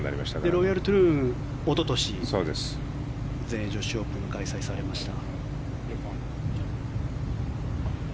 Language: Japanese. ロイヤル・トゥルーンはおととし全英女子オープンが開催されました。